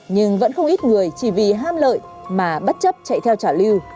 nhưng vẫn không ít người chỉ vì ham lợi mà bất chấp chạy theo trò